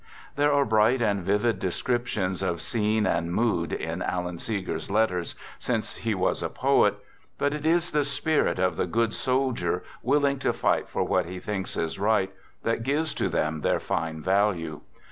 ..." There are bright and vivid descriptions of scene and mood in Alan Seeger's letters, since he was a poet, but it is the spirit of " the good soldier," will ing to fight for what he thinks is right that gives to them their fine value.